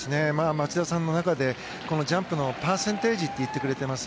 町田さんの中でジャンプのパーセンテージと言ってくれています。